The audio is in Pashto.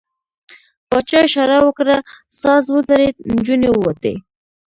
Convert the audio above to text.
پاچا اشاره وکړه، ساز ودرېد، نجونې ووتې.